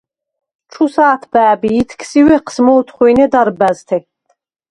– ჩუ ს’ათბა̄̈ბ ი ითქს ი უ̂ეჴს მ’ოთხუ̂ინე დარბა̈ზთე.